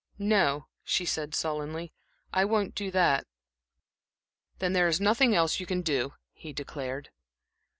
"No," she said, sullenly. "I won't do that." "Then there is nothing else you can do," he declared.